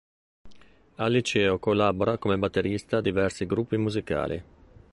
Al liceo collabora come batterista a diversi gruppi musicali.